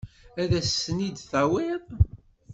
Ad asen-ten-id-tawiḍ?